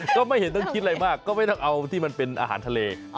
ก็ไม่เห็นต้องคิดอะไรมากก็ไม่ต้องเอาที่มันเป็นอาหารทะเล